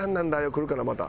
くるからまた。